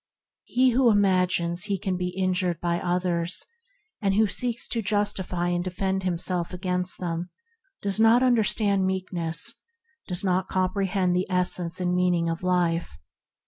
He who imagines he can be injured by others, who seeks to justify and defend himself against them, does not understand Meekness, does not comprehend the essence and meaning of life.